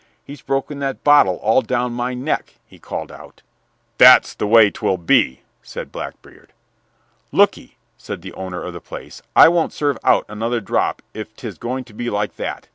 "He's broken that bottle all down my neck," he called out. "That's the way 'twill be," said Blackbeard. "Lookee," said the owner of the place, "I won't serve out another drop if 'tis going to be like that.